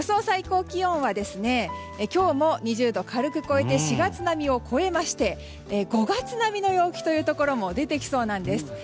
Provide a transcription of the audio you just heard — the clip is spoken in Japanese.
最高気温は今日も２０度を軽く超えて４月並みを超えまして５月並みの陽気というところも出てきそうなんです。